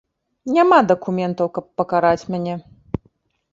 Няма дакументаў, каб пакараць мяне.